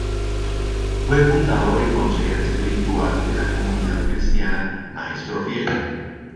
Fue fundadora y consejera espiritual de la Comunidad Cristiana Maestro Fiel.